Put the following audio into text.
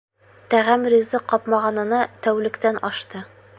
Тәғәм ризыҡ ҡапмағанына тәүлектән ашты.